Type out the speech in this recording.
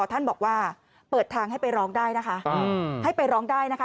ท่านบอกว่าเปิดทางให้ไปร้องได้นะคะ